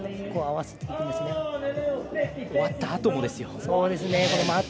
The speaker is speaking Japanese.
終わったあともですよ。